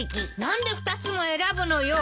何で２つも選ぶのよ。